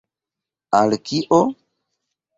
Al kio?